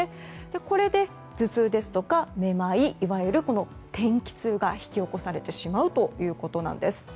これで頭痛ですとか、めまいいわゆる天気痛が引き起こされてしまうということなんです。